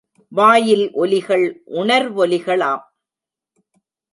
வாயில் ஒலிகள், உணர்வொலிகளாம்.